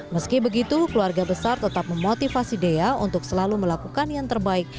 meski begitu keluarga besar tetap memotivasi dea untuk selalu melakukan yang terbaik